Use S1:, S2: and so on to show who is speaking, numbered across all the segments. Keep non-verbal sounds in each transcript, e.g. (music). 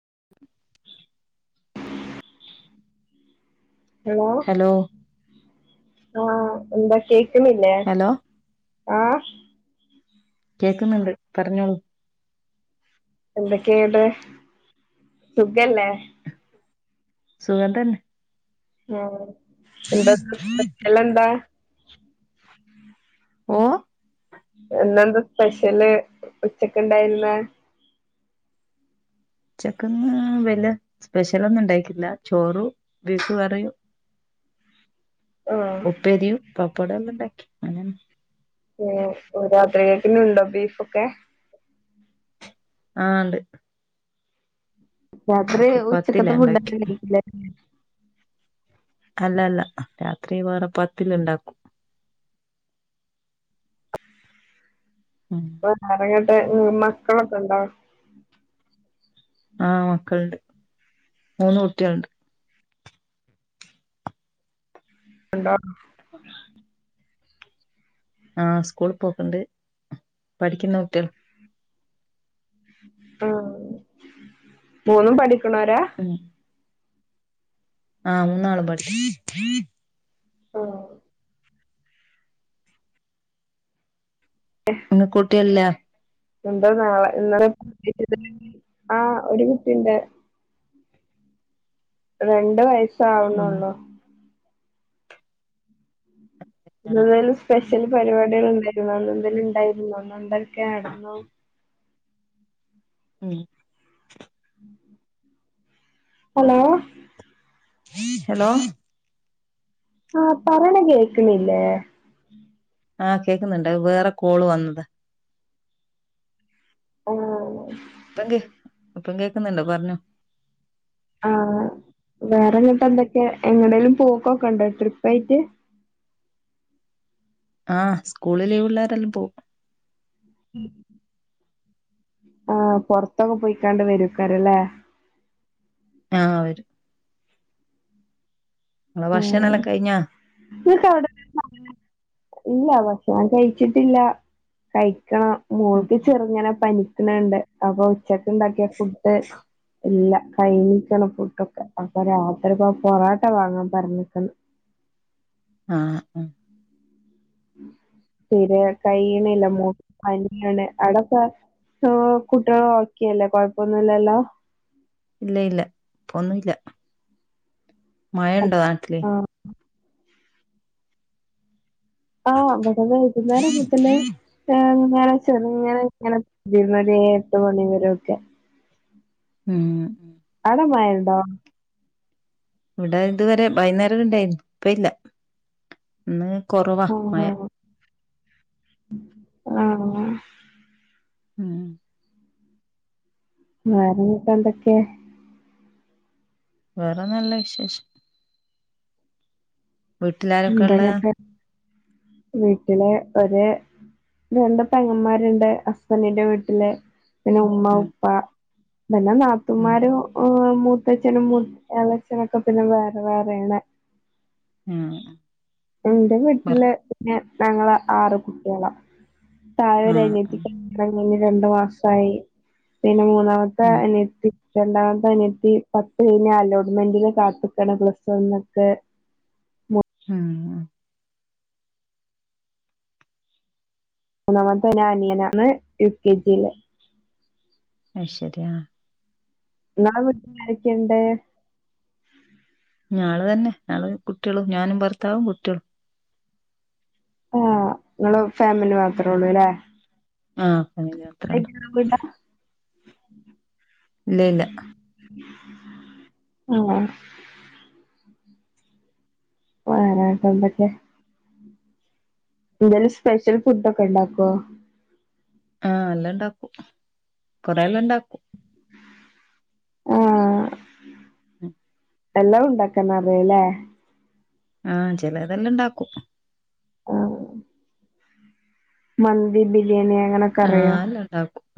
S1: (unintelligible)
S2: Hello ആഹ എന്താ കേക്ക് കേൾക്കിനില്ലേ
S1: ഹലോ
S2: ആഹ
S1: കേക്കുന്നുണ്ട് പറഞ്ഞോളൂ
S2: എന്തൊക്കെയായിട്ട് സുഖല്ലേ
S1: സുഖംതന്നെ
S2: ആഹ് എന്താ വക്കല്ലെന്താ
S1: ഓ
S2: ഇന്നെന്താ സ്പെഷ്യല് ഉച്ചക്കെണ്ടാരന്നെ
S1: ഉച്ചക്ക് ഇന്ന് വല്യ സ്പെഷ്യലൊന്നും ഉണ്ടായ്ക്കില്ല ചോറും ബീഫ്കറീം
S2: ആഹ്
S1: ഉപ്പേരിയും പപ്പടോം എല്ലാം ഉണ്ടാക്കി അന-
S2: രാത്രിയെക്കിനൊണ്ടോ ബീഫൊക്കെ
S1: ആ ഒണ്ട്
S2: രാത്രി ഉച്ചക്കത്തെ
S1: പത്തിലാ
S2: ഫുഡാ
S1: ഉണ്ടാക്കി
S2: കഴിയ്ക്ക
S1: അല്ല അല്ല രാത്രി വേറെ പത്തില് ഒണ്ടാക്കും ഉം
S2: (unintelligible) (unintelligible) മക്കളൊക്കെ ഉണ്ടോ?
S1: ആഹ് മക്കളിണ്ട് മൂന്ന് കുട്ടികളിണ്ട്.
S2: (unintelligible)
S1: ആഹ് സ്കൂളിപോക്കെണ്ട് പഠിക്കുന്ന കുട്ടികള
S2: ആഹ് മൂന്നും പഠി ക്കണോര?
S1: ആഹ് മൂന്നാളും പഠി
S2: ആഹ്
S1: ഇങ്ങക്ക് കുട്ടിയില്ല
S2: ഉണ്ടോന്ന (unintelligible) ആഹ് ഒരു കുട്ടി ഇണ്ട്. രണ്ട് വയസ്
S1: ഉം
S2: സാവണുള്ളു.
S1: ആ.
S2: ഇന്നന്തേലും സ്പെ ഷ്യല് പരിപാടികൾ ഇണ്ടാരുന്നാന്ന് എന്തേലും ഇണ്ടായിരുന്നാ ഇന്നെന്തൊക്കെ നടന്നു
S1: ഉം
S2: ഹലോ
S1: ഹലോ
S2: ആഹ് പറയണ കേക്കണില്ലേ?
S1: ആഹ് കേക്കുന്നുണ്ട് അത് വേറെ കോള് വന്നതാ
S2: ഒ ഓ
S1: ഇപ്പം കേ ഇപ്പം കേക്കുന്നല്ലോ പറഞ്ഞോ
S2: ആഹ് വേറെങ്ങെട്ടെന്തൊക്കയ എങ്ങടേലും പോക്കൊക്കെണ്ടോ ട്രിപ്പായിട്ട്
S1: ആഹ് സ്കൂള് ലീവ് ഉള്ളോരെല്ലാം പോകും
S2: ഉം ആഹ് പൊറത്തൊക്കെ പോയിക്കാണ്ട് വരുക്കാരുംയില്ലേ
S1: ആഹ് വെരും
S2: ഉം
S1: ഭക്ഷണെല്ലാം കഴിഞ്ഞാ
S2: ന (unintelligible) ഇല്ല ഭക്ഷണം കഴിച്ചിട്ടില്ല കയി - ആ മോൾക്ക് ചെറുങ്ങനെ പനി നണ്ട് അപ്പൊ ഉച്ചക്കിണ്ടാക്കിയാ - പുട്ട് ഇല്ല കൈയിക്കണം ഫുഡൊക്കെ അപ്പൊ രാത്രിപ്പോ പൊറോട്ട വാങ്ങണം പറഞ്ഞിക്കുന്നു
S1: ആ ആ
S2: ശരിയാണ് കൈയിനില്ല മു പനിയാണ് അവിടക്കെ കുട്ടികളോക്കെയല്ലേ കൊഴപ്പൊന്നുല്ലല്ലോ
S1: ഇല്ല ഇല്ല ഇപ്പൊന്നുംല്ല മഴണ്ടോ നാട്ടില്
S2: ആഹ് ആ ഇവടെ വൈകുന്നേരം മുതലേ ആം ഇങ്ങനെ ചെറങ്ങനെ ഇങ്ങനെതിന്നതെ എട്ട് മണിവര ഒക്കെ
S1: ഉം
S2: അട മയണ്ടോ
S1: ഇവടെ ഇതുവരെ ബൈന്നേര ഇണ്ടായി ഇപ്പ ഇല്ല ഇന്ന് കുറവാ മയ
S2: ആ അങ്ങാനെ
S1: ഉം
S2: വേറേങ്ങക്കന്തൊക്കെ
S1: വേറ നല്ല വിശേഷം വീട്ടിലാരൊക്കെള്ള
S2: എന്തെന്നിട്ട് വീട്ടില് ഒരു രണ്ട് പെങ്ങന്മാരുണ്ട് ഹസ്ബന്റിന്റെ വീട്ടില് പിന്നെ ഉമ്മ
S1: ഉം
S2: ഉപ്പാ പിന്ന
S1: ഉം
S2: നാതൂൻമരു ഓമും മൂത്തച്ഛനും ഏളേച്ഛനൊക്കെ പിന്നെ വേറെ വേറെയാണ്
S1: മൂ അ
S2: എന്റെ വീട്ടില് പിന്നെ ഞങ്ങള് ആറ് കുട്ട്യോള തായരനിയത്തി
S1: ആഹ്
S2: പെങ്ങളാണ് ഒന് രണ്ട് മാസായി പിന്നെ മൂ ന്നമത്തെ
S1: ഉം
S2: അനിയത്തി രണ്ടാമത്തെ അനിയത്തി പത്ത് കഴിഞ്ഞ അലോട്ട്മെന്റിന് കാത്തക്കണ പ്ലസ്വാണുക്ക്
S1: മുമ്
S2: മൂന്നാമതനിയനാണ് യു കെ ജിയിലെ
S1: അത് ശരിഅ
S2: നിങ്ങടെ വീട്ടില് ആരൊക്കണ്ട്
S1: ഞള് തന്നെ ഞള് കുട്ടികളും ഞാനും ഭർത്താവും കുട്ടികളും
S2: ആ ഇങ്ങൾ ഫാമിലി മാത്രേ ഉള്ളൂ അല്ലേ
S1: ആഹ് ഫാമിലി മാത്രേ ഒള്ളൂ
S2: (unintelligible)
S1: ഇലെല്ലാ
S2: ആ ആരാട്ട് എന്തൊക്കെ എന്തേലും സ്പെഷ്യൽ ഫുഡ് ഒക്കെ ഇണ്ടാക്കോ
S1: ആഹ അല്ലാം ഇണ്ടാക്കും കൊറെയല്ലാം ഇണ്ടാക്കും
S2: ആഹ്
S1: ഉം
S2: എല്ലാം ഉണ്ടാക്കന്ന അറിയല്ലേ
S1: ആഹ ചിലതെല്ലാം ഇണ്ടാക്കും
S2: ആഹ് മന്തി ബില്ല് അങ്ങനൊക്കെ അറിയോ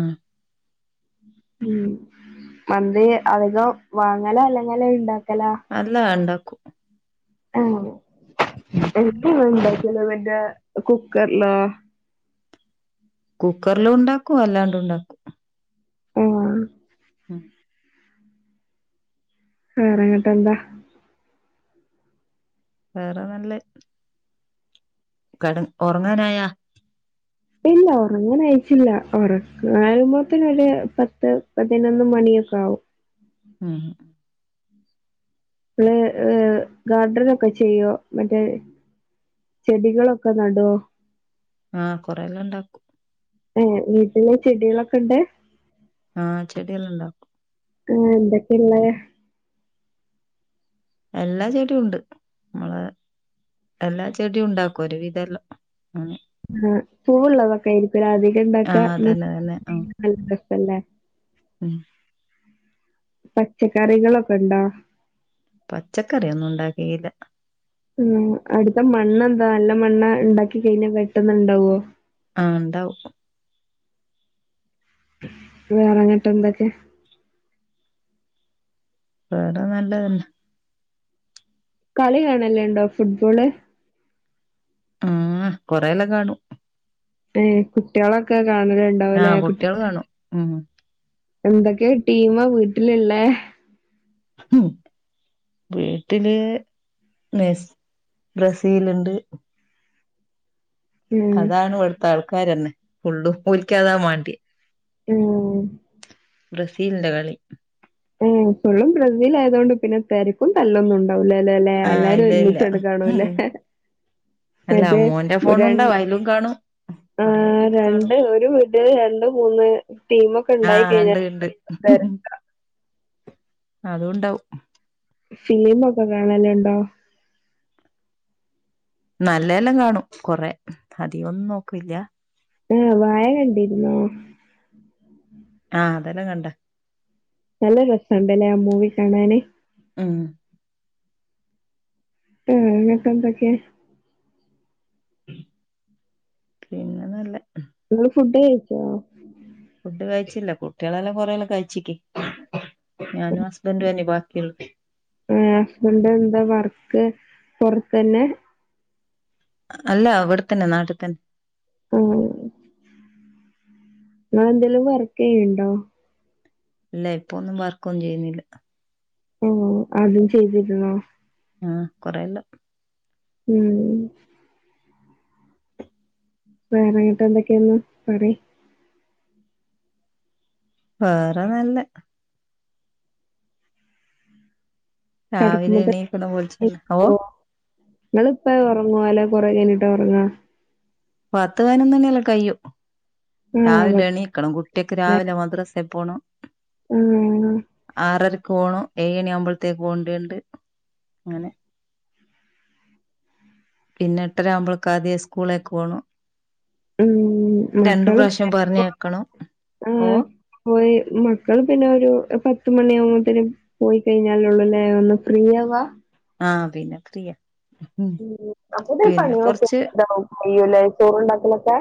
S1: ആഹ
S2: ഉ മന്ത് അധികം വാങ്ങല അലങ്ങിൽ ഉണ്ടാക്കും
S1: അല്ലാ ഇണ്ടാക്കും
S2: ആ എ എപ്പോഴും ചില പിന്ന കുക്കറിലോ
S1: കുക്കറില ഉണ്ടാക്കും അല്ലാണ്ട് ഉണ്ടാക്കും
S2: ആ
S1: ഉ
S2: വേറെ എന്താ
S1: വേറെ നല്ല കട ഉറങ്ങാനായാ
S2: ഇല്ല ഉറങ്ങാൻ അയച്ചില്ല ഉറങ്ങായ്പോത്തനൊ ഒരു പത്ത് പതിനൊന്ന് മണിയൊക്കെ ആകും
S1: ഉം
S2: ഇള ഏ ഗാർഡൻ ഒക്കെ ചെയ്യോ മറ്റേ ചെടികളൊക്കെ നടുവോ
S1: ആഹ കൊറെല്ലാം ഇണ്ടാക്കും
S2: ഏ വീട്ടില ചെടികളൊക്കെ ഉണ്ട്
S1: ആഹ് ചെടികൾ ഉണ്ടാക്കും
S2: ആഹ് എന്തൊക്കെ ഉള്ളത്
S1: എല്ലാ ചെടും ഉണ്ട് നമ്മളെ എല്ലാ ചെടിയും ഉണ്ടാക്കും ഒരു വിധെല്ലാം
S2: പൂവള്ളതൊക്കെ ആരിക്കും അധികം
S1: ആഹ്
S2: കം
S1: അതന്നെ തന്നെ ആഹ്
S2: ഇണ്ടാക്കാ ല്ലേ
S1: ഉം
S2: പച്ചക്കറികളൊക്കെ ഇണ്ടോ
S1: പച്ചക്കറൊന്നും ഉണ്ടാക്കിയില്ല
S2: ഉം അടുത്ത മണ്ണെന്താ നല്ല മണ്ണ് ഉണ്ടാക്കി കഴിഞ്ഞാൽ പെട്ടന്നുണ്ടാവുവോ
S1: ആഹ് ഇണ്ടാവും
S2: വേറെങ്ങിട്ട് എന്തൊക്കെ
S1: വേറെ നല്ലതന്നെ
S2: കളി കാണല്ലേണ്ടോ ഫുട്ബോള്
S1: ആഹ് കൊറെല്ല കാണും
S2: ഏ കുട്ടികളൊക്കെ- കാണണ് ഒണ്ടാവ് ഇല്ലേ
S1: ആഹ്
S2: ആ
S1: കുട്ടികള്
S2: കുട്ടി-
S1: കാണും ഉം
S2: എന്തൊക്കെയ ടീമാ വീട്ടിലുള്ളെ -
S1: വീട്ടില് മെസ് ബ്രസീലുണ്ട്
S2: ഉം
S1: അതാണ് ഇവിടുത്തെ ആൾക്കാര് തന്നെ ഫുള്ളും പോലിക്കാതാ വേണ്ടിയെ
S2: ഓ
S1: ബ്രസീലിന്റെ കളി
S2: ഉം ഏപ്പോഴും ബ്രസീൽ ആയതൊണ്ട് പിന്നെ തെരക്കും തല്ലൊന്നുംണ്ടോ (unintelligible)
S1: ആഹ്
S2: എല്ലാരും
S1: ഇല്ല ഇല്ല
S2: ഒരുമിച്ചെടുക്കാണുല്ലേ
S1: ഉം അല്ല
S2: മറ്റേ
S1: മോന്റെ
S2: രൺ
S1: ഫോണുണ്ടാവും അയിലും കാണും കൊറേ
S2: ആഹ്
S1: ഇത് കാണും
S2: രണ്ട് ഒരു വീട്ടില് രണ്ട് മൂന്ന് ടീമക്കെ ഇണ്ടായി
S1: ആഹ്
S2: കഴിഞ്ഞാ
S1: ഇണ്ട് ഇണ്ട്
S2: (unintelligible)
S1: അതുണ്ടാവും.
S2: ഫിലിമൊക്കെ കാണലിണ്ടോ?
S1: നല്ലതെല്ലാം കാണും കൊറേ അധികോന്നും നോക്ക്ല്ല
S2: ഇം വാഴ കണ്ടിരുന്നോ?
S1: ആഹ് അതെല്ലാം കണ്ടാ
S2: നല്ല രസൊണ്ടല്ലേ ആ മൂവി കാണാന്
S1: ഇം
S2: ഇം എന്നിട്ടെന്തൊക്കെ
S1: പിന്നെ നല്ലെ
S2: നിങ്ങള് ഫുഡ് കഴിച്ചോ?
S1: ഫുഡ് കഴിച്ചില്ല കുട്ടികളല്ലെ കൊറെല്ല കഴിച്ചി‌ക്കി
S2: ഇം ഹസ്ബൻഡ് എന്താ വർ ക്ക് പൊറത്തന്നേ
S1: അല്ല ഇവിടെത്തന്നെ നാട്ടിത്തന്നെ
S2: ഉം ഇങ്ങള് എന്തേലും വർക്കെയ്യിണ്ടോ?
S1: ഇല്ല ഇപ്പൊന്നും വർക്കൊന്നും ചെയ്യുന്നില്ല.
S2: ഓഹ് അദ്യം ചെയ്തിരുന്നോ?
S1: ആഹ് കൊറേഇല്ല
S2: ഉം വേറെന്നിട്ട് എന്തൊക്കെയാന്ന് പറയ്
S1: വേറെ നല്ല രാവിലെ
S2: കടക്കുമ്പെ
S1: എണീക്കണം
S2: ഇളപ്പ
S1: വിളിച്ചന്നെ ഓ
S2: (unintelligible) ഇങ്ങള് പ്പെ ഒറ്ങ്ങ് ങ്ങ്വേല കൊറെ എഞ്ഞിട്ടാ ഒറങ്ങാ
S1: പത്തു വാനെന്നന്നയല്ല കയും
S2: ആഹ്
S1: രാവിലെ എണീക്കണം കുട്ട്യയക്ക് രാവിലെ മദ്രസ് എപ്പോണൊം
S2: ഉം
S1: ആറരക്ക് പോണം ഏഴണി ആകുമ്പോഴത്തേക്ക് പോണ്ട്യ ഇണ്ട്‌ അങ്ങനെ പിന്നെ എട്ടര ആവുമ്പള്ക്ക് ആത് സ്കൂളേക്ക് പോണം
S2: ഉം
S1: രണ്ട്
S2: മക്കള് പിന്നെ
S1: പ്രാവശ്യം
S2: (unintelligible) (unintelligible)
S1: പറഞ്ഞയക്കണം
S2: (unintelligible) ആ
S1: ഓ
S2: പോയി മക്കള് പിന്നെ ഒരു പത്തുമണി ആവുമ്പത്തിനും പോയി കഴിഞ്ഞ് പോയി കഴിഞ്ഞാലൊള്ളുല്ലേ ഒന്ന് ഫ്രീയാവാ
S1: ആഹ് പിന്നെ ഫ്രീയാ
S2: (unintelligible) അപ്പോത്ത്ന് പണിളൊക്കെ
S1: കൊറച്ച്
S2: (unintelligible) യ്യുലേ ചോറ്ണ്ടാക്കലൊക്കെ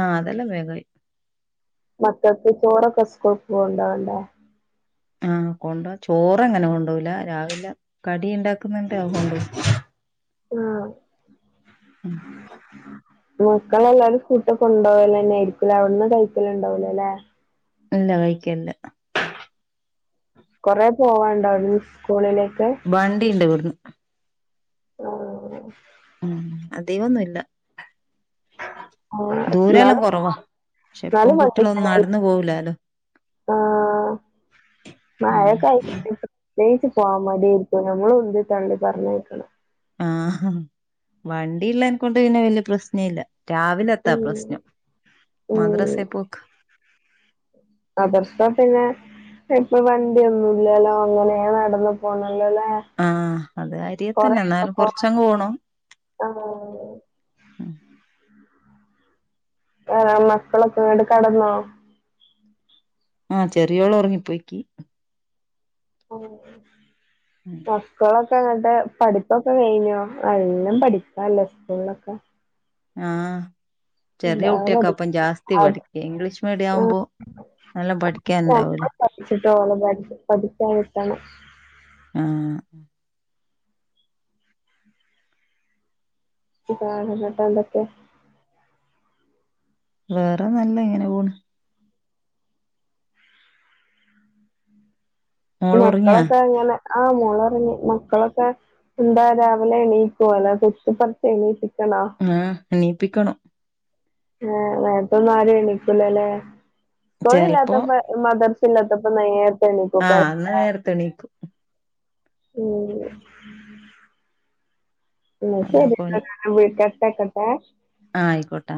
S1: ആ അതെല്ലാം വേഗായി
S2: മക്കക്ക് ചോറൊക്കെ സ്കൂൾക്ക് കൊണ്ടുപോവാണ്ടാേ
S1: ആ കൊണ്ടോ ചോറങ്ങനെ കൊണ്ടോവൂല രാവിലെ കടി ഇണ്ടാക്കുന്നന്താ അത് കൊണ്ടോം
S2: ആ
S1: ഉം
S2: മക്കളെല്ലാവരും ഫുഡ് കൊണ്ടവല്ന്നേയ്രിക്കുംല്ലേ അവിട്ന്ന് കഴിക്കല്ണ്ടാവൂലലേ
S1: ഇല്ല കഴിക്കല്ല
S2: കുറേ പോവാണ്ടാേ അവ്ടുന്ന് സ്കൂളിലേ
S1: ബണ്ടില്ലാ ഇവട്ന്ന്
S2: ഓ
S1: ഉം അതികാെന്നുല്ല
S2: ആ ന്നാലും
S1: പക്ഷെ ഇപ്പം
S2: ന്നാലും
S1: കുട്ടികളൊന്നും
S2: കൊഴപ്പല്ലേനി
S1: നടന്നു പോവൂലാലോ
S2: ആ
S1: ഉം
S2: മഴക്കെ (unintelligible) ടേയ്സി പോവാ മടിയെര്ക്കും ഞമ്മള് ഉന്തി തള്ളി പറഞ്ഞയ്ക്കണം
S1: ആഹാ വണ്ടിള്ളേൻ കൊണ്ട് പിന്നെ വല്യ പ്രശ്ന ഇല്ല രാവിലെത്താ
S2: ഉം
S1: പ്രശ്നം
S2: ഉം
S1: മദ്രസെ പോക്ക്
S2: മദ്രസ പിന്നെ ഇപ്പൊ വണ്ടിയൊന്നുംല്യാല്ലോ അങ്ങനേ നടന്നു പോന്ന
S1: ആ അത് അരിയത്തെന്നെ
S2: ഒക്കെ
S1: ന്നാലും
S2: പോവാൻ
S1: കൊറച്ചങ്ങട് പോണം
S2: ആഹ് ആ മക്കളൊക്കെങ്ങട്ട് കടന്നോ
S1: ആ ചെറിയോള് ഒറങ്ങിപ്പോയിക്കി
S2: ആ മക്കളൊ പ്പങ്ങട്ട് പഠിപ്പൊക്കെ കഴിഞ്ഞോ നല്ലാം പഠിപ്പാല്ലേ സ്കൂൾലൊക്കെ
S1: ആ
S2: എന്താ പഠിപ്പ് അ
S1: പഠിക്ക ഇംഗ്ലീഷ് മീഡിയം
S2: ആ
S1: ആവുമ്പോ നല്ലോം പഠിക്കാനുണ്ടാവൂലേ
S2: ഞപഠിച്ചിട്ടാേളെ പഠിക്കാൻ വി (unintelligible) തന്നെ
S1: ആ
S2: ഇതാണ് ന്ന്ട്ടെന്തൊക്കെ
S1: വേറെ നല്ലെ ഇങ്ങനെ പോണ്
S2: ഇ
S1: മോള് ഒറങ്ങിയാ
S2: മക്കളൊക്കെങ്ങനെ ആ മോളൊ പിന്നെ മക്കളൊക്കെ എന്താ രാവിലെ എണീക്കോ അല്ലാ കുത്തിപ്പറിച്ച് എണീപ്പി ക്കണാേ
S1: ആഹ് എണീപ്പിക്കണം
S2: ആ നേര്ത്തൊന്നും ആരും എണിക്കൂലല്ലേ
S1: ചെലപ്പോ
S2: കൂളിലാത്തപ്പ മദർ ഇല്ലാത്തപ്പം നേര്ത്തെ
S1: ആ അന്ന് നേരത്തെണീക്കും
S2: ഉം ന്ന
S1: അതാ
S2: ശരി
S1: പണി
S2: (unintelligible) ട്ടെക്കെട്ടെ
S1: ട്ട